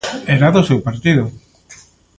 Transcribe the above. ¡Era do seu partido!